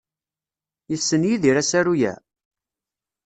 Yessen Yidir asaru-a?